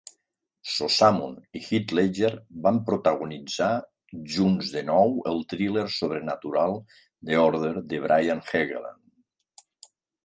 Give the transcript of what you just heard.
Sossamon i Heath Ledger van protagonitzar junts de nou el thriller sobrenatural "The Order" de Brian Helgeland.